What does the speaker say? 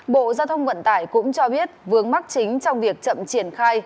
bộ giao thông vận tải cũng cho biết vướng mắc chính trong việc chậm triển khai